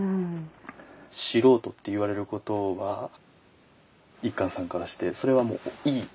素人って言われることは一閑さんからしてそれはもういい。